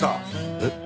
えっ？